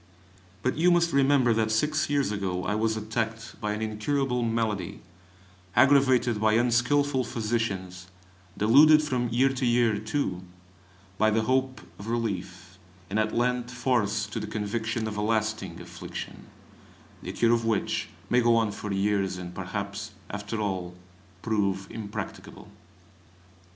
But you must remember that six years ago I was attacked by an incurable malady, aggravated by unskilful physicians, deluded from year to year, too, by the hope of relief, and at length forced to the conviction of a lasting affliction (the cure of which may go on for years, and perhaps after all prove impracticable).